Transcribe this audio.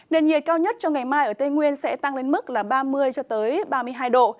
nền nhiệt cao nhất trong ngày mai ở tây nguyên sẽ tăng lên mức ba mươi ba mươi hai độ